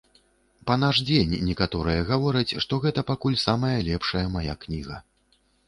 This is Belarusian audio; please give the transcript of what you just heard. Па наш дзень некаторыя гавораць, што гэта пакуль самая лепшая мая кніга.